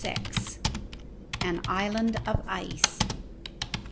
AN ISLAND OF ICE.